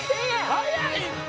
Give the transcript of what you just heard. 早いって！